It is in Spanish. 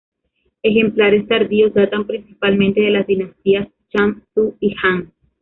Ejemplares tardíos datan principalmente de las dinastías Shang, Zhou y Han.